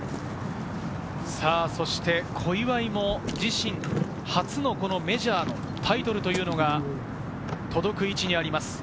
そして小祝も自身初のメジャーのタイトルというのが届く位置にあります。